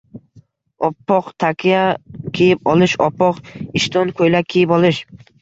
Oppoq takya kiyib olish? Oppoq ishton-ko‘ylak kiyib olish?